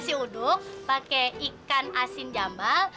nasi uduk pakai ikan asin jambal